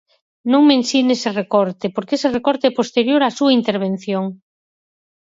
Non me ensine ese recorte, porque ese recorte é posterior á súa intervención.